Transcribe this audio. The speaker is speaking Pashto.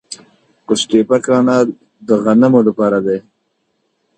قوش تیپه کانال د غنمو لپاره دی.